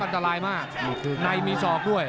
อันตรายมากในมีศอกด้วย